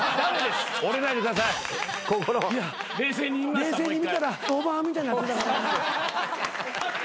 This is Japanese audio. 冷静に見たらおばはんみたいになってたから。